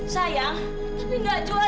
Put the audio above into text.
sayang tapi nggak jual jamu